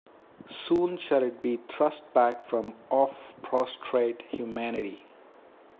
Soon shall it be thrust back from off prostrate humanity.